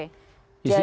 jadi ya sekitar